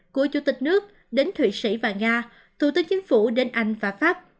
của chủ tịch nước đến thụy sĩ và nga thủ tướng chính phủ đến anh và pháp